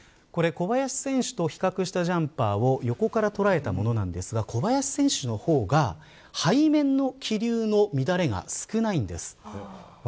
小林選手と比較したジャンパーを横から捉えたものですが小林選手の方が背面の気流の乱れが少ないんです。